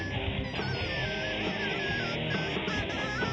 และแพ้๒๐ไฟ